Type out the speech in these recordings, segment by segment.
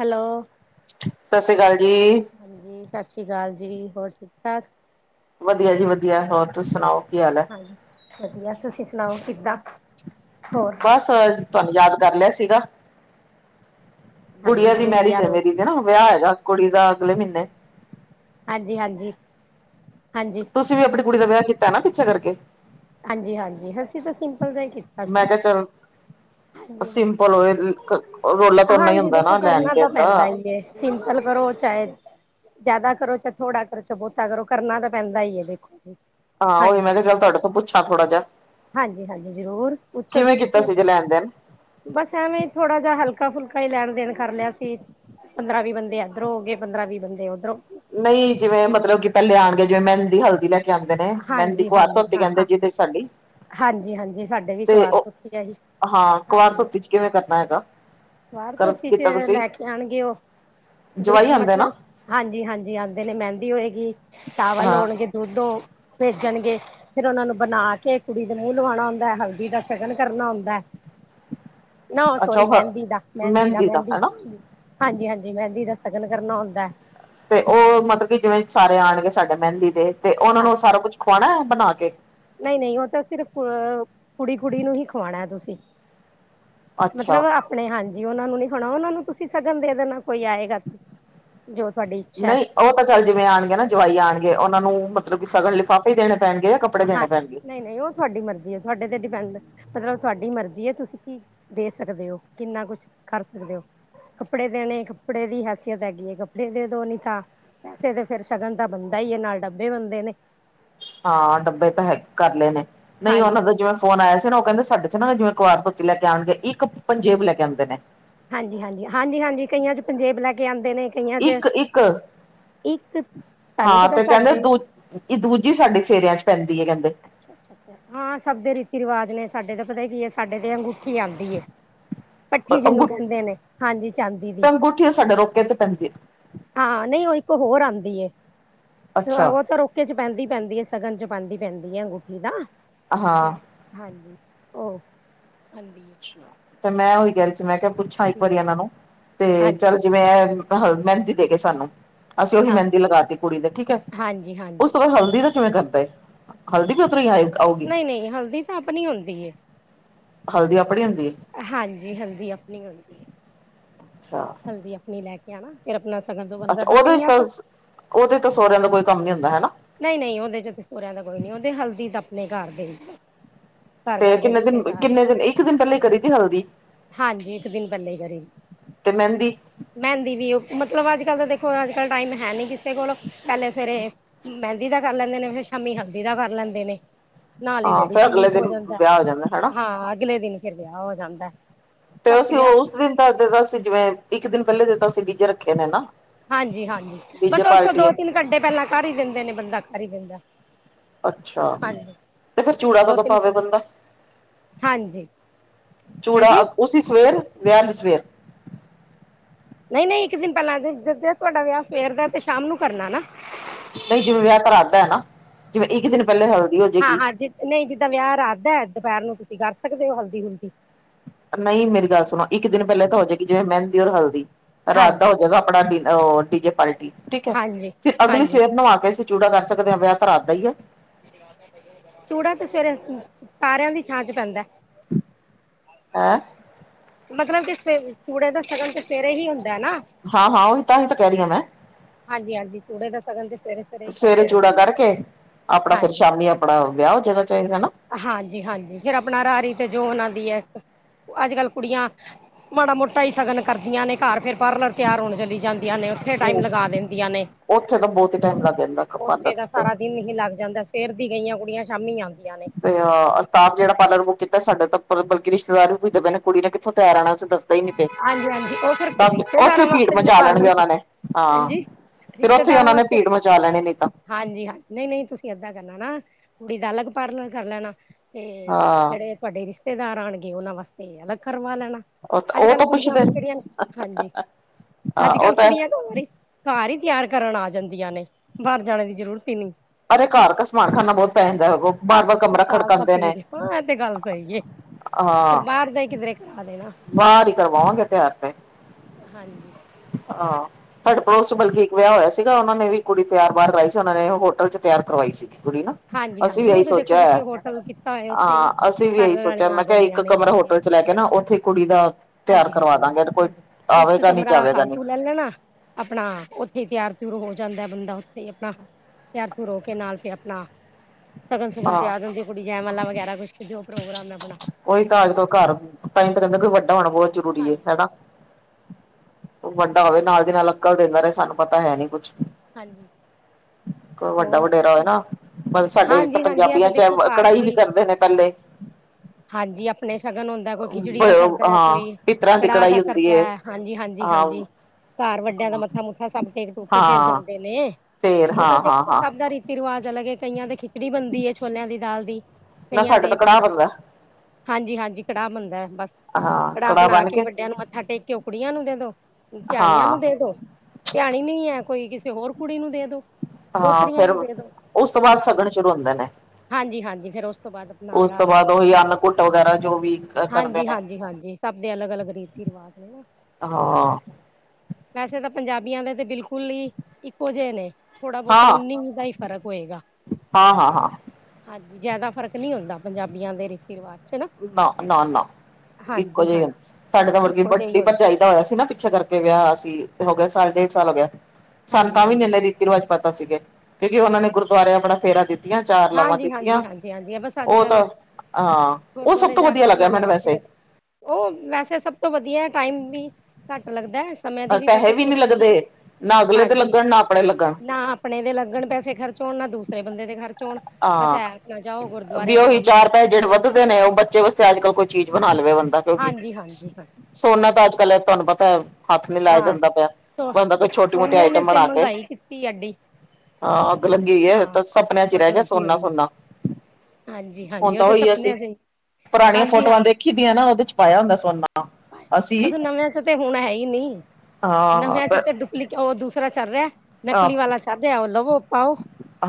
Hello! ਸੱਸ ਰੀ ਕਾਲ ਜੀ। ਹਾਂਜੀ ਸੱਸ ਰੀ ਕਾਲ ਜੀ, ਹੋਰ ਠੀਕ ਠਾਕ? ਵਦੀਆ ਜੀ ਵਦੀਆ, ਹੋਰ ਤੁਸੀਂ ਸੁਣਾਓ ਕੀ ਹਾਲ ਹੈ? ਵਦੀਆ, ਤੁਸੀਂ ਸੁਣਾਓ ਕਿੱਦਾਂ ਹੋਰ? ਬੱਸ ਤੁਹਾਨੂੰ ਯਾਦ ਕਰ ਲਿਆ ਸੀਗਾ। ਹਾਂਜੀ ਗੁੜੀਆਂ ਦੀ ਜ਼ਰੂਰ ਮੈਰਿਜ ਯਾਦ ਹੈ ਆਓ ਮੇਰੀ ਜੀ ਇੱਦਰ, ਵਿਆਹ ਹੈਗਾ ਕੁੜੀ ਦਾ ਅਗਲੇ ਮਹੀਨੇ। ਹਾਂਜੀ-ਹਾਂਜੀ ਤੁਸੀਂ ਵੀ ਆਪਣੀ ਕੁੜੀ ਦਾ ਵਿਆਹ ਕੀਤਾ ਨਾ ਪਿੱਛੇ ਕਰਕੇ? ਹਾਂਜੀ-ਹਾਂਜੀ ਅਸੀਂ ਤਾਂ ਸਿੰਪਲ ਜਾ ਈ ਕੀਤਾ ਸੀ। ਮੈਂ ਕਿਹਾ ਚੱਲ ਹਾਂਜੀ-ਹਾਂਜੀ, ਸਿੰਪਲ ਹੋਏ ਰੌਲਾ ਤਾਂ ਓਨਾ ਹੀ ਹਾਂਜੀ ਹੁੰਦਾ ਨਾ ਦੇਖੋ ਲੈਣ ਕਰਨਾ ਤਾਂ ਦੇਣ ਦਾ ਪੈਂਦਾ ਈ ਐ। ਸਿੰਪਲ ਕਰੋ ਚਾਏ ਜਾਦਾ ਕਰੋ ਚਾ ਥੋੜਾ ਕਰੋ ਚਾ ਬੋਤਾ ਕਰੋ ਕਰਨਾ ਤਾਂ ਪੈਂਦਾ ਈ ਐ ਦੇਖੋ। ਹਾਂ ਓਈ ਮੈਂ ਕਿਆ ਚੱਲ ਤੁਆਡੇ ਤੋਂ ਪੁੱਛਾ ਥੋੜਾ ਜਾ। ਹਾਂਜੀ-ਹਾਂਜੀ ਜ਼ਰੂਰ ਪੁੱਛੋ ਕੀ ਕੀਤਾ ਪੁੱਛਨਾ। ਸੀ ਜੇ ਲੈਣ ਦੇਣ ਬੱਸ ਐਵੇਂ ਈ ਥੋੜਾ ਜਾ ਹਲਕਾ-ਫੁਲਕਾ ਈ ਲੈਨ ਦੇਨ ਕਰ ਲੇਆ ਸੀ। ਪੰਦਰਾਂ-ਵੀਅ ਬੰਦੇ ਐਦਰੋਂ ਹੋ ਗਏ ਪੰਦਰਾਂ-ਵੀਅ ਬੰਦੇ ਓਦਰੋਂ ਨਈਂ ਜਿਵੇਂ ਮਤਲਬ ਕੀ ਪੈਲੇ ਆਨਗੇ ਜਿਵੇਂ ਮੈਂਦੀ ਹਲਦੀ ਲੈ ਕੇ ਆਂਦੇ ਨੇ ਮੈਂਦੀ ਹਾਂਜੀ ਕਵਾਰ ਹਾਂਜੀ ਧੋਤੀ ਹਾਂ ਕੈਂਦੇ ਹਾਂ ਜਿਦੇ ਸਾਡੀ ਹਾਂਜੀ ਹਾਂਜੀ ਸਾਡੇ ਵੀ ਤੇ ਕਵਾਰ ਓ ਧੋਤੀ ਆ ਜੀ ਹਾਂ ਕਵਾਰ ਹਾਂਜੀ ਧੋਤੀ ਚ ਕਿਵੇਂ ਕਰਨਾ ਹੈਗਾ। ਕਵਾਰ ਕਰ ਧੋਤੀ ਚ ਕੀਤਾ ਤੁਸੀਂ ਲੈ ਕੇ ਆਨਗੇ ਓ। ਜਵਾਈ ਆਂਦੈ ਨਾ। ਹਾਂਜੀ-ਹਾਂਜੀ ਆਂਦੇ ਨੇ ਮੈਂਦੀ ਹੋਏਗੀ, ਕਾਵਾ ਹਾਂ ਲੌਨਗੇ। ਦੁੱਦ ਓ ਭੇਜਨਗੇ, ਫੇਰ ਓਨਾਂ ਨੂੰ ਬਨਾ ਕੇ ਕੁੜੀ ਦਾ ਮੂੰਅ ਲਵਾਨਾ ਹੁੰਦਾ ਹਲਦੀ ਦਾ ਸਗਨ ਕਰਨਾ ਹੁੰਦਾ। ਨਾ ਓ ਅੱਛਾ ਸੋਰੀ ਉਹ ਮੈਂਦੀ ਦਾ-ਮੈਂਦੀ ਦਾ ਮਹਿੰਦੀ ਮੈਂਦੀ ਹਨਾ ਹਾਂਜੀ-ਹਾਂਜੀ ਮੈਂਦੀ ਦਾ ਸਗਨ ਕਰਨਾ ਹੁੰਦਾ। ਤੇ ਓ ਮਤਲਬ ਕੇ ਜਿਵੇਂ ਸਾਰੇ ਆਨਗੇ ਸਾਡੇ ਮੈਂਦੀ ਦੇ ਤੇ ਓਨਾਂ ਨੂੰ ਸਾਰਾ ਕੁਛ ਖਵਾਨਾ ਐ ਬਨਾ ਕੇ ਨਈਂ-ਨਈਂ ਓ ਤਾਂ ਸਿਰਫ ਕੁ ਕੁੜੀ-ਕੁੜੀ ਨੂੰ ਈ ਖਵਾਨਾ ਤੁਸੀਂ। ਮਤਲਬ ਅੱਛਾ ਆਪਨੇ ਹਾਂਜੀ ਓਨਾਂ ਨੂੰ ਨੀ ਖਵਾਨਾ ਓਨਾਂ ਨੂੰ ਤੁਸੀਂ ਸਗਨ ਦੇ ਦੇਨਾ ਕੋਈ ਆਏ। ਜਾ ਜੋ ਤੁਆਡੀ ਇੱਛੈ। ਓ ਤਾਂ ਚੱਲ ਜਿਵੇਂ ਆਨਗੇ ਨਾ ਜਵਾਈ ਆਨਗੇ ਓਨਾਂ ਨੂੰ ਮਤਲਬ ਕੇ ਸਗਨ ਲਿਫਾਫੇ ਈ ਦੇਣਨੇ ਪੈਨਗੇ ਜਾਂ ਕੱ ਹਾਂ ਨਈਂ-ਨਈਂ ਓ ਤੁਆਡੀ ਮਰਜ਼ੀ ਐ ਤੁਹਾਡੇ ਤੇ ਡਿਪੈਂਡ ਐ, ਮਤਲਬ ਤੁਆਡੀ ਮਰਜ਼ੀ ਐ ਤੁਸੀਂ ਕੀ ਦੇ ਸਕਦੇ ਓ, ਕਿੰਨਾ ਕੁਛ ਕਰ ਸਕਦੇ ਓ। ਕੱਪੜੇ ਦੇਨੇ ਕੱਪੜੇ ਦੀ ਹੈਸੀਅਤ ਹੈਗੀ ਏ ਕੱਪੜੇ ਦੇ ਦੋ ਨਈ ਤਾਂ ਵੈਸੇ ਤਾਂ ਫਿਰ ਸ਼ਗਨ ਤਾਂ ਬਨਦਾ ਈ ਏ ਨਾਲ ਡੱਬੇ ਬਨਦੇ ਨੇ। ਹਾਂ ਡੱਬੇ ਤਾਂ ਹੈ ਕਰਨੇ ਨੇ ਨਈਂ ਹਾਂਜੀ ਓਨਾਂ ਦਾ ਜਿਵੇਂ ਫੋਨ ਆਏਆ ਸੀ ਨਾ ਓ ਕੈਂਦੇ ਸਾਡੇ ਚ ਨਾ ਜਿਵੇਂ ਕੁਵਾਰ ਧੋਤੀ ਲੈ ਕੇ ਆਨਗੇ ਇੱਕ ਪੰਜੇਬ ਲੈ ਕੇ ਆਂਦੇ ਨੇ। ਹਾਂਜੀ-ਹਾਂਜੀ-ਹਾਂਜੀ-ਹਾਂਜੀ ਕਈਆਂ ਚ ਪੰਜੇਬ ਲੈ ਕੇ ਆਂਦੇ ਨੇ। ਕਈਆਂ ਚ ਇੱਕ-ਇੱਕ, ਇੱਕ ਤਾਂ ਨੀ ਹਾਂ ਪਤਾ ਤੇ ਕੈਂਦੇ ਸਾਡੇ ਦੂ ਏ ਦੂਜੀ ਸਾਡੇ ਫੇਰਿਆਂ ਚ ਪੈਂਦੀ ਐ ਕੈਂਦੇ। ਅੱਛਾ ਹਾਂ ਸਬ ਦੇ ਰੀਤੀ ਰਿਵਾਜ ਨੇ ਸਾਡੇ ਤਾਂ ਪਤਾ ਕੀ ਐ ਸਾਡੇ ਤੇ ਅੰਗੂ ਠੀ ਆਂਦੀ ਏ, ਭੱਠੀ ਜਿਨੂੰ ਅੰਗੂ ਕੈਂਦੇ ਨੇ ਹਾਂਜੀ ਚਾਂਦੀ ਦੀ। ਅੰਗੂਠੀ ਤਾਂ ਸਾਡੇ ਰੋਕੇ ਤੇ ਪੈਂਦੀ ਐ। ਹਾਂ ਨਈਂ ਓ ਇੱਕ ਹੋਰ ਆਂਦੀ ਏ, ਓ ਅੱਛਾ ਤਾਂ ਰੋ ਰੋਕੇ ਚ ਪੈਂਦੀ-ਪੈਂਦੀ ਐ ਸਗਨ ਚ ਪੈਂਦੀ-ਪੈਂਦੀ ਐ ਅੰਗੂਠੀ ਹਾਂ ਤਾਂ। ਹਾਂਜੀ ਓ ਆਂਦੀ ਏ। ਤੇ ਮੈਂ ਓਈ ਕੈ ਰਈ ਸੀ ਮੈਂ ਕਿਆ ਪੁੱਛਾਂ ਇੱਕ ਹੂੰ ਵਾਰੀ ਏਨਾਂ ਨੂੰ ਤੇ ਹਾਂ ਚੱਲ ਜਿਵੇਂ ਐ ਹਲ ਮੈਂਦੀ ਦੇ ਗੇ ਸਾਨੂੰ, ਅਸੀਂ ਓਹੀ ਹਾਂ ਮੈਂਦੀ ਲਗਾਤੀ ਕੁੜੀ ਦੇ ਠੀਕ ਐ। ਹਾਂਜੀ ਹਾਂਜੀ ਤੇ ਫੇਰ ਹਲਦੀ ਦਾ ਕਿਵੇਂ ਕਰਦੇ, ਹਲਦੀ ਵੀ ਓਦਰੋਂ ਈ ਆਏ। ਨਈਂ-ਨਈਂ ਹਲਦੀ ਤੇ ਆਪਨੀ ਹੁੰਦੀ ਏ। ਹਲਦੀ ਆਪਨੀ ਹੁੰਦੀ ਏ। ਹਾਂਜੀ ਹਲਦੀ ਆਪਨੀ ਹੁੰਦੀ ਏ। ਅੱਛਾ। ਜਲਦੀ ਆਪਣੀ ਲੈ ਕੇ ਆਣਾ ਫਿਰ ਆਪਣਾ ਸ਼ਗਨ ਸੁਗਨ ਅੱਛਾ ਕਰਨਾ ਉਹਦੇ ਕਈਆਂ ਚ ਉਹਦੇ ਤਾਂ ਸਹੁਰਿਆਂ ਦਾ ਕੋਈ ਕੰਮ ਨੀ ਹੁੰਦਾ ਹਨਾ। ਨਹੀਂ-ਨਹੀਂ ਉਹਦੇ ਚ ਤੇ ਸੁਰਿਆਂ ਦਾ ਕੋਈ ਨੀ ਉਹਦੇ ਹਲਦੀ ਤਾਂ ਆਪਣੇ ਘਰ ਦੇ ਹੀ। ਤੇ ਘਰ-ਘਰ ਦੇ ਕਿੰਨੇ ਦਿਨ ਰਿਸ਼ਤੇਦਾਰ, ਕਿੰਨੇ ਦਿਨ ਇੱਕ ਦਿਨ ਪਹਿਲੇ ਕਰੀ ਦੀ ਹਲਦੀ ਹਾਂਜੀ ਇੱਕ ਦਿਨ ਪੱਲੇ ਕਰੇ। ਤੇ ਮਹਿੰਦੀ ਮਹਿੰਦੀ ਵੀ ਉਹ ਮਤਲਬ ਅੱਜ-ਕੱਲ ਤਾਂ ਦੇਖੋ ਅੱਜ ਕੱਲ ਟਾਈਮ ਹੈ ਨੀ ਕਿਸੇ ਕੋਲ ਪਹਿਲੇ ਸਵੇਰੇ ਮਹਿੰਦੀ ਦਾ ਕਰ ਲੈਂਦੇ ਨੇ, ਫਿਰ ਸ਼ਾਮੀ ਹਲਦੀ ਦਾ ਕਰ ਲੈਂਦੇ ਨੇ। ਨਾਲ ਹੀ ਹਾਂ ਲੇਡੀ ਫੇਰ ਅਗਲੇ ਸੰਗੀਤ ਹੋ ਦਿਨ ਜਾਂਦਾ। ਵਿਆਹ ਹੋ ਜਾਂਦਾ ਹਨਾ ਹਾਂ ਅਗਲੇ ਦਿਨ ਫੇਰ ਵਿਆਹ ਹੋ ਜਾਂਦਾ। ਤੇ ਬਾਕੀ ਅਸੀਂ ਵਿਆਹ ਉਸ ਦਿਨ ਤਾਂ ਅਸੀਂ ਜਿਵੇਂ ਇੱਕ ਦਿਨ ਪਹਿਲੇ ਦੇ ਤਾਂ ਅਸੀਂ ਡੀਜੇ ਰੱਖੇ ਨੇ ਨਾ। ਹਾਂਜੀ-ਹਾਂਜੀ ਡੀਜੇ ਬਸ ਉਸ ਤੋਂ ਪਾਰਟੀ ਹੈ ਦੋ-ਤਿੰਨ ਘੰਟੇ ਪਹਿਲਾਂ ਘਰ ਹੀ ਦਿੰਦੇ ਨੇ ਬੰਦਾ ਘਰ ਹੀ ਦਿੰਦਾ। ਅੱਛਾ ਹਾਂਜੀ ਤੇ ਫਿਰ ਚੂੜਾ ਦੋ ਕਦੋਂ ਤਿੰਨ ਪਾਵੇ ਬੰਦਾ। ਹਾਂਜੀ, ਚੂੜਾ ਹਾਂਜੀ ਉਸੀ ਸਵੇਰ, ਵਿਆਹ ਦੀ ਸਵੇਰ ਨਹੀਂ-ਨਹੀਂ ਇੱਕ ਦਿਨ ਪਹਿਲਾਂ ਜ ਜੇ ਤੁਹਾਡਾ ਵਿਆਹ ਸਵੇਰ ਦਾ ਤੇ ਸ਼ਾਮ ਨੂੰ ਕਰਨਾ ਨਾ। ਨਹੀਂ ਜਿਵੇਂ ਵਿਆਹ ਰਾਤ ਦਾ ਹੈ ਨਾ। ਜਿਵੇਂ ਇੱਕ ਦਿਨ ਪਹਿਲੇ ਹਲਦੀ ਹੋ ਜਾਏਗੀ ਹਾਂ-ਹਾਂ ਜ ਨਹੀਂ ਜਿੱਦਾਂ ਵਿਆਹ ਰਾਤ ਦਾ ਹੈ, ਦੁਪਹਿਰ ਨੂੰ ਤੁਸੀਂ ਕਰ ਸਕਦੇ ਹੋ ਹਲਦੀ ਹੁਲਦੀ। ਨਹੀਂ ਮੇਰੀ ਗੱਲ ਸੁਣੋ, ਇੱਕ ਦਿਨ ਪਹਿਲਾਂ ਤਾਂ ਹੋ ਜਾਏਗੀ ਜਿਵੇਂ ਮਹਿੰਦੀ ਔਰ ਹਲਦੀ। ਰਾਤ ਦਾ ਹਾਂਜੀ ਹੋ ਜਾਏਗਾ ਆਪਣਾ ਡੀਨ ਅ, ਡੀ ਜੇ ਪਲਟੀ ਠੀਕ ਹੈ ਹਾਂਜੀ ਫਿਰ ਅਗਲੀ ਹਾਂਜੀ ਸਵੇਰ ਨੂੰ ਨਾ ਕੇ ਚੂੜਾ ਕਰ ਸਕਦੇ ਹਾਂ ਵਿਆਹ ਤਾਂ ਰਾਤ ਦਾ ਹੀ ਹੈ। ਚੂੜਾ ਤੇ ਸਵੇਰੇ ਸਾਰਿਆਂ ਦੀ ਛਾਂ ਚ ਪੈਂਦਾ। ਹੈਂ ਮਤਲਬ ਕਿ ਸ ਚੂੜੇ ਦਾ ਸਗਨ ਤੇ ਸਵੇਰੇ ਹੀ ਹੁੰਦਾ ਨਾ। ਹਾਂ-ਹਾਂ ਉਹੀ ਤਾਂਹੀ ਤਾਂ ਕਹਿ ਰਹੀ ਹਾਂ ਮੈਂ। ਹਾਂਜੀ-ਹਾਂਜੀ ਚੂੜੇ ਦਾ ਸ਼ਗਨ ਤੇ ਸਵੇਰੇ-ਸਵੇਰੇ ਹੀ ਸਵੇਰੇ ਕਰਦੇ ਨੇ ਨਾ। ਚੂੜਾ ਕਰਕੇ ਆਪਣਾ ਫਿਰ ਸ਼ਾਮੀ ਆਪਣਾ ਵਿਆਹ ਜਿਆਦਾ ਚਾਹੀਦਾ ਨਾ। ਹਾਂਜੀ-ਹਾਂਜੀ ਫਿਰ ਆਪਣਾ ਰਾਰੀ ਤੇ ਜੋ ਉਹਨਾਂ ਦੀ ਹੈ ਅੱਜ ਕੱਲ ਕੁੜੀਆਂ ਮਾੜਾ ਮੋਟਾ ਹੀ ਸ਼ਗਨ ਕਰਦੀਆਂ ਨੇ ਘਰ ਫੇਰ ਪਾਰਲਰ ਤਿਆਰ ਹੋਣ ਚਲੀ ਜਾਂਦੀਆਂ ਨੇ ਉੱਥੇ ਟਾਈਮ ਲਗਾ ਦਿੰਦੀਆਂ ਨੇ ਉੱਥੇ ਤਾਂ ਬਹੁਤ ਹੀ ਟਾਈਮ ਲੱਗ ਜਾਂਦਾ ਪਾਲਰ ਚ ਤੇ। ਨਹੀਂ ਲੱਗ ਜਾਂਦਾ, ਸਵੇਰ ਦੀ ਗਈਆਂ ਕੁੜੀਆਂ ਸ਼ਾਮੀ ਆਉਂਦੀਆਂ। ਨੇ ਤੇ ਅਸਤਾਫਿਹੜ ਪਾਲਰ ਬੁੱਕ ਕੀਤਾ ਸੀ ਸਾਡਾ ਤਾਂ ਬਲਕਿ ਰਿਸ਼ਤੇਦਾਰ ਵੀ ਪੁੱਜਦਾ ਮ ਕੁੜੀ ਨੇ ਕਿੱਥੋਂ ਤਿਆਰ ਆਣਾ ਅਸੀਂ ਦੱਸ ਹੀ ਨ ਤੇ ਹਾਂਜੀ ਹਾਂਜੀ ਉਹ ਫਿਰ ਉੱਥੇ ਰਿਸ਼ਤੇਦਾਰਾਂ ਭੀੜ ਵਾਸਤੇ ਵੀ ਤੇ ਮਚਾ ਲੈਣਗੇ ਪਾਰਲਰ ਉਹਨਾਂ ਨੇ ਹਾਂ। ਹਾਂਜੀ ਫੇਰ ਉੱਥੇ ਰਿਸ਼ਤੇਦਾਰਾਂ ਉਹਨਾਂ ਨੇ ਵਾਸਤੇ ਭੀੜ ਮਚਾ ਲੈਣੇ ਨੇ ਤਾਂ। ਹਾਂਜੀ ਹਾਂ ਨਹੀਂ-ਨਹੀਂ ਤੁਸੀਂ ਏਦਾਂ ਕਰਨਾ ਨਾ ਕੁੜੀ ਦਾ ਅਲੱਗ ਪਾਲਰ ਕਰ ਲੈਣਾ। ਤੇ ਹਾਂ ਜਿਹੜੇ ਤੁਹਾਡੇ ਰਿਸ਼ਤੇਦਾਰ ਆਉਣਗੇ ਉਹਨਾਂ ਵਾਸਤੇ ਅਲੱਗ ਕਰਵਾ ਲੈਣਾ। ਉਹ ਅੱਜ-ਕੱਲ ਤਾਂ ਕੁੜੀਆਂ ਪੁੱਛਦੇ ਬਥਰੀਆਂ ਹਾਂਜੀ ਹਾਂ ਉਹ ਅੱਜ-ਕੱਲ ਤਾਂ ਕੁੜੀਆਂ [unintelligible] ਘਰ ਹੀ ਤਿਆਰ ਕਰਨ ਆ ਜਾਂਦੀਆਂ ਨੇ, ਬਾਹਰ ਜਾਣ ਦੀ ਜ਼ਰੂਰਤ ਹੀ ਨਹੀਂ। ਅਰੇ ਘਰ ਘ ਸਮਾਨ ਖਾਨਾ ਬਹੁਤ ਪੈ ਜਾਂਦਾ ਹੈਗੋ ਬਾਰ-ਬਾਰ ਫਿਰ ਕਮਰਾ ਕਾਲ ਤਾਂ ਖੜਕਾਉਂਦੇ ਨੇ। ਪੀੜ ਫੇਰ ਬਾਰ ਦਾ ਈ ਕਿਧਰੇ ਕਰਾ ਦੇਨਾ। ਬਾਰ ਈ ਕਰਵਾਵਾਂਗੇ ਤੇਯਾਰ ਤੇ। ਹਾਂਜੀ। ਹਾਂ, ਸਾਡੇ ਪੜੋਸ ਚ ਹਾਂਜੀ ਬਲਕਿ ਇੱਕ ਵੇਯਾ ਹੋਯਾ ਸੀਗਾ, ਓਨਾਂ ਨੇ ਵੀ ਕੁੜੀ ਤੇਯਾਰ ਬਾਰ ਕਰਾਈ ਸੀ, ਓਨਾਂ ਨੇ ਹੋਟਲ ਚ ਤੇਯਾਰ ਕਰਵਾਈ ਸੀਗੀ ਕੁੜੀ ਨਾ। ਹਾਂਜੀ, ਅਸੀਂ ਹਾਂਜੀ ਵੀ ਓ ਇਹੀ ਤੇ ਦੇਖੋ ਸੋਚਿਆ ਜਿੱਥੇ ਹੋਇਆ ਹੋਟਲ ਕੀਤਾ ਹੋਏ ਓੱਥੇ ਈ ਹਾਂ ਅਸੀਂ ਵੀ ਇਹੀ ਪਾਰਲਰ ਸੋਚਿਆ ਆਲੀਆਂ ਆ ਮੈਂ ਕਿਹਾ ਇੱਕ ਜਾਂਦੀਆਂ ਨੇ ਕਮਰਾ ਓੱਥੇ ਹੋਟਲ ਚ ਲੈ ਕੇ ਨਾ ਉੱਥੇ ਕੁੜੀ ਦਾ ਤਿਆਰ ਕਰਵਾ ਹਾਂਜੀ-ਹਾਂਜੀ, ਹਾਂਜੀ, ਦਾਂਗੇ ਤੇ ਕੋਈ ਹਾਂਜੀ ਇੱਕ ਆਵੇਗਾ ਨੀ ਕਮਰਾ ਜਾਵੇਗਾ ਨੀ ਫਾਲਤੂ ਲੈਲ ਲੈਣਾ ਆਪਣਾ ਓਥੇ ਈ ਤੇਯਾਰ ਤਯੁਰ ਹੋ ਜਾਂਦੈ ਬੰਦਾ, ਓਥੇ ਈ ਆਪਨਾ ਤੇਯਾਰ ਤਯੁਰ ਹੋ ਕੇ ਨਾਲ ਫੇਰ ਆਪਨਾ ਸਗਨ-ਸੁਗਨ ਤੇ ਆ ਜਾਂਦੀ ਕੁੜੀ, ਜੈਮਾਲਾ ਵਗੈਰਾ ਕੁਛ ਜੋ ਪ੍ਰੋਗਰਾਮ ਹੈ ਆਪਣਾ ਓਈ ਤਾ ਉਹਦੇ ਏਕ-ਦੋ ਤੇ ਘਾੱਰ ਕਰ ਤਾਂਈ ਤਾ ਕੈਂਦੇ ਕੋਈ ਵੱਡਾ ਹੋਨਾ ਬੋਤ ਜ਼ਰੂਰੀ ਏ, ਹਾਂਜੀ ਹੈਣਾ ਓ ਵੱਡਾ ਹੋਵੇ, ਨਾਲ ਦੇ ਨਾਲ ਅੱਕਲ ਦੇਂਦਾ ਰੇ ਸਾਨੂੰ ਪਤਾ ਹੈ ਨੀ ਕੁੱਛ ਹਾਂਜੀ। ਕੋਈ ਵੱਡਾ ਹੋਰ ਵਡੇਰਾ ਹੋਏ ਨਾ ਬਲ ਸਾਡੇ ਤਾ ਹਾਂਜੀ ਹਾਂਜੀ ਇਹ ਪੰਜਾਬੀਆਂ ਤਾਂ ਚ ਦੇਖੋ ਅ ਘਰ ਕੜਾਈ ਵੀ ਕੋਈ ਕਰਦੇ ਨੇ ਪੈਲੇ ਹਾਂਜੀ, ਆਪਨੇ ਸ਼ਗਨ ਹੁੰਦੈ, ਕੋਈ ਖਿਚੜੀ ਦਾ ਕਰਦੈ, ਹਾਂ ਕੋਈ ਪਿੱਤਰਾਂ ਦੀ ਕੜਾ ਦਾ ਕੜਾਹੀ ਕਰਦੈ, ਹੁੰਦੀ ਹੈ ਹਾਂਜੀ, ਹਾਂ ਹਾਂਜੀ-ਹਾਂਜੀ ਘਾਰ ਵੱਡਿਆਂ ਦਾ ਮੱਥਾ ਮੁੱਥਾ ਸਬ ਟੇਕ-ਟੁਕ ਕੇ ਫੇਰ ਹਾਂ [unintelligible] ਨੇ ਫੇਰ ਓ ਤਾ ਹਾਂ ਹਾਂ ਦੇਖੋ ਹਾਂ ਸਬ ਦਾ ਰੀ ਰਿਵਾਜ਼ ਅਲਗ ਨੇ, ਕਈਆਂ ਦੇ ਖਿਚੜੀ ਬਨਦੀ ਛੋਲਯਾਂ ਦੀ ਦਾਲ ਦੀ, ਨਾ ਕਈਆਂ ਸਾਡੇ ਦੇ ਤਾਂ ਕੜਾਹ ਬਣਦਾ ਹਾਂਜੀ, ਹਾਂਜੀ ਕੜਾ ਬਨਦੈ, ਬਾੱਸ। ਹਾਂ ਕੜਾ ਕੜਾਹ ਬਨਾ ਬਣ ਕੇ ਵੱਡਯਾਂ ਨੂੰ ਮੱਥਾ ਟੇਕ ਕੇ ਓ ਕੁੜੀਆਂ ਨੂੰ ਦੇ ਦੋ, ਧਿਆਣੀਆਂ ਹਾਂ ਨੂੰ ਦੇ ਦੋ। ਧਿਆਣੀ ਨੀ ਐ ਕੋਈ, ਕਿਸੇ ਹੋਰ ਕੁੜੀ ਨੂੰ ਦੇ ਦੋ। ਹਾਂ, ਦੋਤਰੀਆਂ ਫੇਰ ਨੂੰ ਦੇ ਦੋ ਉਸ ਤੋ ਬਾਦ ਹਾਂਜੀ ਸਗਨ ਸ਼ੁਰੂ ਹੁੰਦੇ ਨੇ। ਹਾਂਜੀ, ਹਾਂਜੀ ਫੇਰ ਓਸ ਤੋ ਬਾਦ ਅਪਨਾ ਉਸ ਰਾ ਤੋਂ ਰੀਤ ਬਾਅਦ ਉਹੀ ਕਰਕੇ, ਅੰਨਕੁਟ ਵਗੈਰਾ ਜੋ ਵੀ ਕਰਦੇ ਹਾਂਜੀ, ਨੇ ਹਾਂਜੀ-ਹਾਂਜੀ। ਸਭ ਦੇ ਅਲੱਗ-ਅਲੱਗ ਰੀਤੀ ਰਿਵਾਜ਼ ਨੇ ਨਾ ਫਿਰ ਤਾਂ ਹਾਂ। ਕਰਕੇ। ਵੈਸੇ ਤਾਂ ਪੰਜਾਬੀਆਂ ਦੇ ਤੇ ਬਿਲਕੁਲ ਈ ਇੱਕੋ ਜੇ ਨੇ ਥੋੜਾ ਬੋਤਾ ਹਾਂ ਉਨੀ-ਵੀ ਦਾ ਈ ਫ਼ਰਕ ਹੋਏਗਾ। ਹਾਂ ਹਾਂ ਹਾਂ ਹਾਂਜੀ, ਜੈਦਾ ਫ਼ਰਕ ਨੀ ਹੁੰਦਾ ਪੰਜਾਬੀਆਂ ਦੇ ਰੀਤੀ ਰਿਵਾਜ਼ ਨਾ, ਨਾ-ਨਾ ਇੱਕੋ ਹਾਂਜੀ ਜੇ, ਹਾਂਜੀ ਸਾਡੇ ਤਾਂ [unintelligible] ਵੱਡੀ ਇੱਕੋ ਜਿਹੇ ਹੀ ਹੁੰਦਾ ਪਰਜਾਈ ਦਾ ਹੋਯਾ ਸੀ ਨਾ, ਪਿੱਛੇ ਕਰਕੇ ਵੇਆ ਸੀ, ਤੇ ਹੋਗੇ ਸਾਲ-ਡੇੜ ਸਾਲ ਹੋਗਯਾ, ਸਾਨੂੰ ਹਾਂਜੀ ਤਾਂਵੀ ਨੀ ਹਾਂਜੀ ਏਨੇ ਰੀਤੀ ਰਿਵਾਜ ਪਤਾ ਸੀਗੇ। ਕਯੋਕਿ ਓਨਾਂ ਨੇ ਹਾਂਜੀ ਗੁਰਦੁਆਰੇਆ ਬੜਾ ਫੇਰਾ ਦਿ ਦਿੱਤੀਆਂ, ਚਾਰ ਲਾਵਾਂ ਹਾਂਜੀ ਹਾਂਜੀ ਦਿੱਤੀਆਂ। ਹਾਂਜੀ ਹਾਂਜੀ ਬਸ ਅੱਜ ਓ ਕੱਲ ਤਾਂ, ਹਾਂ ਓ ਸਬ ਤੋ ਵਦੀਆ ਲੱਗਾ ਮੈਨੰ, ਵੈਸੇ ਓ ਵੈਸੇ ਸਬ ਤੋ ਵਦੀਐ, ਟਾਈਮ ਵੀ ਘਾੱਟ ਲੱਗਦੈ। ਪੈਹੇ ਵੀ ਨੀ ਲੱਗਦੇ, ਨਾ ਅਗਲੇ ਤੇ ਹਾਂਜੀ ਲੱਗਨ, ਨਾ ਆਪਣੇ ਲੱਗਣ ਨਾ ਆਪਣੇ ਦੇ ਲੱਗਣ ਪੈਸੇ ਖ਼ਰਚ ਹੋਣ, ਨਾ ਦੂਸਰੇ ਬੰਦੇ ਦੇ ਖਰਚ ਹੋਣ, ਬਾਸ ਹਾਂ ਐ ਆਪਨਾ ਜਾਓ ਗੁਰਦੁਆਰੇ, ਵੀ ਅਪਨਾ ਉਹੀ ਚਾਰ ਮਤਲਬ [unintelligible] ਨੇ ਓ ਬੱਚੇ ਵਾਸਤੇ ਆੱਜ-ਕਾੱਲ ਕੋਈ ਚੀਜ਼ ਬਨਾ ਲਵੇ ਬੰਦਾ ਕਯੋਕਿ ਹਾਂਜੀ ਹਾਂਜੀ ਹਾਂ ਉਹ ਸੋਨਾ ਤਾਂ ਹੈ। ਆੱਜ-ਕਾੱਲ ਤਾਨੂੰ ਪਤਾ ਐ ਹਾੱਥ ਨੀ ਲਾਯਾ ਹਾਂ ਜਾਂਦਾ ਪੇਯਾ, ਸੋ ਬੰਦਾ ਕੋਈ ਛੋਟੀ-ਮੋਟੀ ਸੋਨੇ ਨੇ ਆਈਟਮ ਤੇ ਬਣਾ ਕੇ ਮਹਿੰਗਾਈ ਕੀਤੀ ਐਡੀ ਹਾਂ, ਆੱਗ ਲੱਗੀ ਹੋਈ ਏ, ਹਾਂ ਤਾ ਸਪਨਿਆਂ ਚ ਈ ਰੈਗਯੈ ਸੋਨਾ-ਸੁਨਾ ਹਾਂਜੀ, ਹਾਂਜੀ ਓ ਤੇ ਸਪਨੇਆ ਜ ਈ, ਪੁਰਾਣੀਆਂ ਹਾਂਜੀ-ਹਾਂਜੀ। [unintelligible] ਦੀਆਂ ਨਾ ਓਦੇ ਚ ਪਾਯਾ ਹੁੰਦੈ ਸੋਨਾ ਅਸੀਂ ਬਾੱਸ ਨਵੇਆਂ ਚ ਤੇ ਹੁਣ ਹੈ ਈ ਨੀ, ਨਵੇਆਂ ਚ ਤੇ ਡੁਪਲੀਕੇ ਓ ਦੂਸਰਾ ਚਾੱਲ ਰੇਐ। ਨਕਲੀ ਵਾਲਾ ਚਾੱਲ ਰੇਐ, ਓ ਲਵੋ, ਪਾਓ।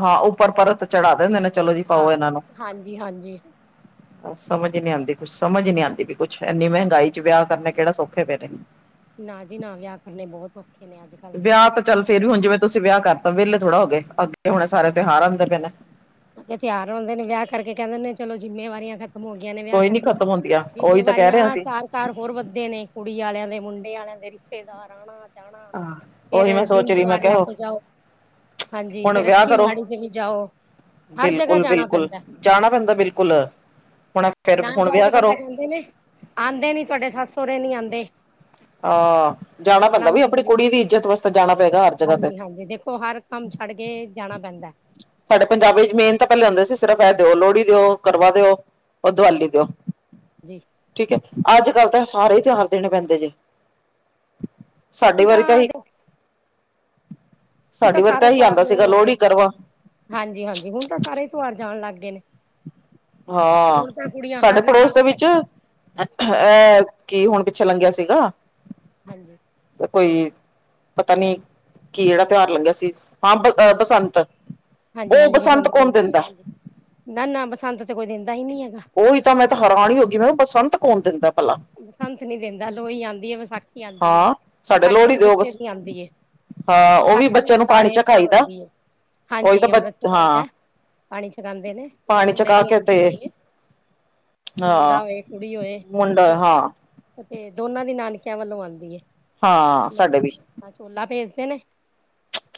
ਹਾਂ, ਉਪਰ ਪਰਤ ਚੜਾ ਦੇਂਦੇ ਨੇ, ਚਲੋ ਜੀ ਪਾਓ ਏਨਾਂ ਨੂੰ ਹਾਂਜੀ, ਹਾਂਜੀ। ਸਮਜ ਨੀ ਆਂਦੀ ਕੁਛ, ਸਮਜ ਨੀ ਆਂਦੀ ਪੀ ਕੁਛ, ਏਨੀ ਮੈਂਗਾਈ ਚ ਵੇਆ ਕਰਨੇ ਕੇੜਾ ਸੌਖੇ ਪਏ ਨੇ। ਨਾ ਜੀ, ਨਾ ਵੇਆ ਕਰਨੇ ਬੋਤ ਔਖੇ ਨੇ, ਆੱਜ। ਵੇਯਾ ਤਾ ਚੱਲ ਫੇਰ ਵੀ ਹੁਨ ਜਿਵੇਂ ਤੁਸੀ ਵੇਯਾ ਕਾਰਤਾ, ਵੇਲੇ ਥੋੜਾ ਹੋਗੇ, ਅੱਗੇ ਹੁਣੇ ਸਾਰੇ ਤਿਉਹਾਰ ਆਂਦੇ ਪੇ ਨੇ। ਤਿਆਰ ਹੁੰਦੇ ਨੇ ਵਿਆਹ ਕਰਕੇ ਕਹਿੰਦੇ ਨੇ ਚਲੋਂ ਜਿੰਮੇਵਾਰੀਆਂ ਕਰ ਹੋ ਗਈਆਂ ਨੇ ਵਿਆਹ ਕੋਈ ਨੀ ਕਰਕੇ ਖ਼ਤਮ ਹੁੰਦੀਆਂ ਉਹੀ ਤਾਂ ਕਹਿ ਰਹੇ ਹਾਂ ਜਿੰਮੇਵਾਰੀਆਂ ਅਸੀਂ ਸਾਰੀ ਘਰ ਹੋਰ ਵੱਧਦੇ ਨੇ, ਕੁੜੀ ਵਾਲਿਆਂ ਦੇ, ਮੁੰਡੇ ਵਾਲਿਆਂ ਦੇ, ਰਿਸ਼ਤੇਦਾਰ ਆਣਾ ਅੱਜ ਜਾਣਾ, ਹਾਂ, ਉਹੀ ਮੈਂ ਫੇਰ ਦਿਨ ਸੋਚ ਰਹੀ ਮੈਂ ਤਿਉਹਾਰ ਲੈ ਕਿਹਾ ਕੇ ਜਾਓ ਹਾਂਜੀ, ਫਿਰ ਅੱਛੀ ਮਾੜੀ 'ਚ ਵੀ ਜਾਓ ਹਰ ਜਗ੍ਹਾ ਬਿਲਕੁਲ- ਜਾਣਾ ਬਿਲਕੁਲ, ਪੈਂਦਾ ਜਾਣਾ ਪੈਂਦਾ ਬਿਲਕੁਲ, ਹੁਣ ਫੇਰ, ਨਾ ਹੁਣ ਜਾਏ ਵਿਆਹ ਤੇ ਬੰਦਾ ਕਰੋ। ਕਹਿੰਦੇ ਨੇ ਆਂਦੇ ਨੀ, ਤੁਹਾਡੇ ਸੱੱਸ ਸਹੁਰੇ ਨੀ ਆਂਦੇ ਹਾਂ, ਜਾਣਾ ਆਣਾ ਪੈਂਦਾ ਵੀ ਆਪਣੀ ਜ਼ਰੂਰੀ ਕੁੜੀ ਦੀ ਇੱਜਤ ਵਾਸਤੇ ਜਾਣਾ ਪਏਗਾ ਹਰ ਜਗਹਾ ਤੇ ਜੇ ਦੇਖੋ ਹਰ ਕੰਮ ਛੱਡ ਕੇ, ਜਾਣਾ ਪੈਂਦਾ ਸਾਡੇ ਪੰਜਾਬੀ 'ਚ ਮੇਨ ਤਾਂ ਪਹਿਲੇ ਹੁੰਦੇ ਸੀ, ਸਿਰਫ਼ ਐਹ ਦਿਓ, ਲੋਹੜੀ ਦਿਓ, ਕਰਵਾ ਦਿਓ ਓ ਦਵਾਲੀ ਦਿਓ ਜੀ ਠੀਕ ਐ, ਅੱਜ -ਕੱਲ ਤਾਂ ਸਾਰੇ ਹੀ ਤਿਉਹਾਰ ਦੇਣੇ ਪੈਂਦੇ ਜੇ ਸਾਡੇ ਵਰੀ ਤਾਂ ਹੀ ਹੁਣ ਸਾਡੀ ਵਾਰੀ ਤਾਂ ਸਾਰੇ ਇਹੀ ਤਿਉਹਾਰ ਆਂਦਾ ਮੇਨ ਸੀਗਾ ਹੋ ਗਏ ਲੋਹੜੀ, ਨੇ ਕਰਵਾ ਹਾਂਜੀ- ਹਾਂਜੀ ਹੁਣ ਤਾਂ ਸਾਰੇ ਤਿਉਆਰ ਜਾਣ ਲੱਗ ਗਏ ਨੇ ਹਾਂ, ਹੁਣ ਤਾਂ ਕੁੜੀਆਂ ਸਾਡੇ ਹਰ ਹਰ ਪੜੋਸ ਦੇ ਵਿੱਚ ਅ ਹਾਂਜੀ ਐਹ ਕੇ ਹੁਣ ਪਿੱਛੇ ਲੰਘਿਆ ਸੀਗਾ ਹਾਂਜੀ ਤੇ ਕੋਈ ਪਤਾ ਨੀ, ਕੀ ਜਿਹੜਾਂ ਤਿਉਹਾਰ ਲੰਘਿਆਂ ਸੀ, ਹਾਂ ਬ ਬਸੰਤ ਹਾਂਜੀ- ਉਹ ਹਾਂਜੀ ਬਸੰਤ ਕੌਣ ਪੰਚਮੀ ਦਿੰਦਾ ਹਾਂਜੀ, ਨਾ- ਨਾ ਬਸੰਤ ਤੇ ਕੋਈ ਦੇਂਦਾ ਹੀ ਨੀ ਹੈਗਾ ਉਹੀ ਤਾਂ ਮੈਂ ਤਾਂ ਹੈਰਾਨ ਹੀ ਹੋ ਗਈ, ਮੈਂ ਕਿਆ ਬਸੰਤ ਕੌਣ ਦਿੰਦਾ ਭਲਾ ਬਸੰਤ ਨੀ ਦਿੰਦਾ, ਲੋਈ ਆਉਂਦੀ ਏ, ਵਿਸਾਖੀ ਆਉਂਦੀ ਏ, ਹਾਂ ਸਾਡੇ ਵਿਸਾਖੀ ਲੋਹੜੀ ਵੀ ਦੇ ਉਹ ਬੱਚੇ ਦੀ ਆਉਂਦੀ ਏ ਹਾਂ, ਉਹ ਵੀ ਵਿਸਾਖੀ ਬੱਚਿਆਂ ਨੂੰ ਮੁੰਡਾ ਪਾਣੀ ਹੋਏ ਤਾਂ ਚਕਾਈ ਦਾ ਆਂਦੀ ਏ ਉਹੀ ਤਾਂ ਹਾਂਜੀ ਬ ਅੰਮ੍ਰਿਤ ਛਕਾਈ ਹਾਂ ਦਾ, ਪਾਣੀ ਛਕਾਉਂਦੇ ਨੇ, ਫੇਰ ਪਾਣੀ ਮੁੰਡੇ ਚਕਾ ਦੀ ਕੇ ਤੇ ਆਉਂਦੀ ਹੀ ਹੈ ਮੁੰਡਾ ਹਾਂ ਹੋਏ ਕੁੜੀ ਹੋਏ, ਮੁੰਡਾ ਮਤਲਬ ਹਾਂ ਉ ਤੇ ਦੋਨਾਂ ਦੀ ਨਾਨਕਿਆਂ ਵੱਲੋਂ ਆਉਂਦੀ ਏ, ਹਾਂ ਸਾਡੇ ਵੀ ਨਾਨਕੇ ਆਪਣਾ ਚੋਲਾ ਭੇਜਦੇ ਨੇ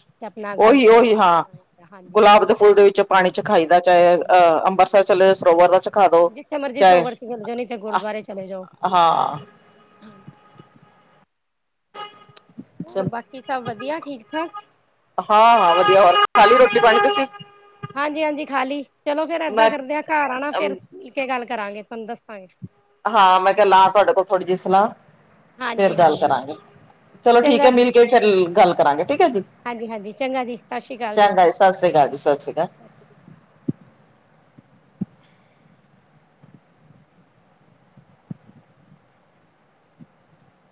ਤੇ ਆਪਣਾ ਗਲ ਉਹੀ, ਚ ਉਹ ਉਹੀ ਹਾਰ ਹਾਂ, ਬਣਾਇਆ ਹਾਂਜੀ ਗੁਲਾਬ ਹਾਂਜੀ ਦੇ ਉਹ ਫੁੱਲ ਦੇ ਵਿੱਚ ਪਾਣੀ 'ਚ ਚਖਾਈਦਾ ਚਾਹੇ ਹਾਂਜੀ ਅਹ, ਅੰਮ੍ਰਿਤਸਰ ਚਲੇ ਸਰੋਵਰ ਦਾ ਚਖਾਦੋ, ਹਾਂ ਜਿੱਥੇ ਮਰਜੀ ਚਾਹੇ ਸਰੋਵਰ ਚ ਚਲੇ ਜਾਓ ਨਹੀਂ ਤੇ ਆਹ ਗੁਰਦੁਆਰੇ ਚਲੇ ਜਾਓ ਆਂ ਹਾਂ ਹਾਂਜੀ ਹੋਰ ਚਲ ਬਾਕੀ ਸਭ ਵਧੀਆ, ਠੀਕ- ਠਾਕ ਹਾਂ- ਹਾਂ, ਵਧੀਆ ਹੋਰ ਖਾ ਲਈ ਰੋਟੀ ਪਾਣੀ ਤੁਸੀਂ ਹਾਂਜੀ- ਹਾਂਜੀ ਖਾਲੀ, ਚਲੋ ਫੇਰ ਐਦਾਂ ਮੈਂ ਕਰਦੇ ਆ ਘਰ ਆਉਣਾ ਫੇਰ ਮਿਲ ਕੇ ਗੱਲ ਕਰਾਂਗੇ, ਤੁਹਾਨੂੰ ਦੱਸਾਂਗੇ ਹਾਂ, ਮੈਂ ਕਿਹਾ ਲਾ ਤੁਹਾਡੇ ਕੋਲੋਂ ਥੋੜ੍ਹੀ ਜਿਹੀ ਸਲਾਹ ਫਿਰ ਹਾਂਜੀ ਗੱਲ ਹਾਂਜੀ ਹਾਂ ਕਰਾਂਗੇ, ਚਲੋ ਠੀਕ ਐ, ਚੰਗਾ ਜੀ ਮਿਲ ਕੇ ਫੇਰ ਗੱਲ ਕਰਾਂਗੇ ਠੀਕ ਹੈ ਜੀ ਹਾਂਜੀ- ਹਾਂਜੀ, ਚੰਗਾ ਜੀ, ਸਸ਼੍ਰੀ ਅਕਾਲ ਜੀ ਸਾਸਰੀ ਅਕਾਲ ਜੀ, ਸਸਰੀ ਅਕਾਲ